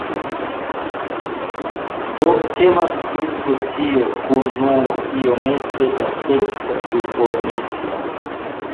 Do temas pri specio kun nur iomete da seksa duformismo.